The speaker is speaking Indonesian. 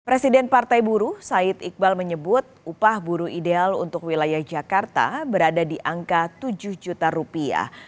presiden partai buruh said iqbal menyebut upah buruh ideal untuk wilayah jakarta berada di angka tujuh juta rupiah